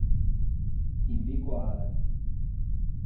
Ibicoara